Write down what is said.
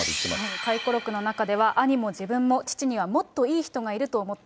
回顧録の中では兄も自分も、父にはもっといい人がいると思った。